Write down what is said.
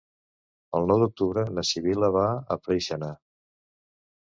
El nou d'octubre na Sibil·la va a Preixana.